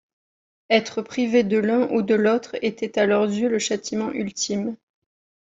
Être privé de l'un ou de l'autre était à leurs yeux le châtiment ultime.